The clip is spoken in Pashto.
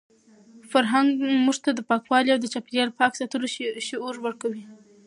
فرهنګ موږ ته د پاکوالي او د چاپیریال د پاک ساتلو شعور ورکوي.